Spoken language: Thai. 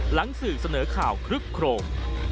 สื่อเสนอข่าวคลึกโครม